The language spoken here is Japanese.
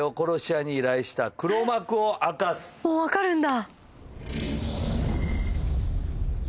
もう分かるんだ。